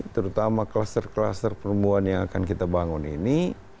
terutama kluster kluster perempuan yang akan kita bangun ini